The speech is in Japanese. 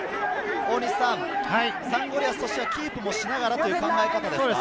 サンゴリアスとしてはキープしながらという考え方ですか？